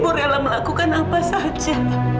aku rela melakukan apa saja